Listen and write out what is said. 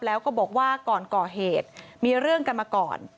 แล้วก็บอกว่าก่อนก่อเหตุมีเรื่องกันมาก่อน